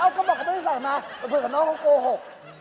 เอ้าก็บอกว่าไม่ได้ใส่มาแต่เผื่อกับน้องเขาโกหก